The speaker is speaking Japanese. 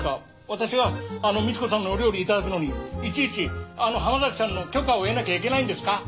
私はあのみち子さんのお料理いただくのにいちいちあの浜崎さんの許可を得なきゃいけないんですか？